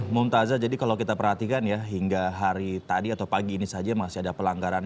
mumtazah jadi kalau kita perhatikan ya hingga hari tadi atau pagi ini saja masih ada pelanggaran